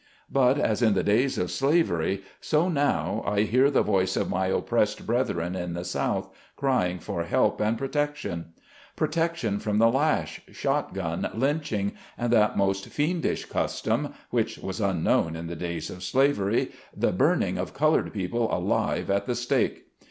But, as in the days of slavery, so now, I hear the voice of my oppressed brethren in the South, crying for help and protection. Protection from the lash, shot gun, lynching, and that most fiendish custom — which was unknown in the days of slavery — the burning of colored people alive at the stake.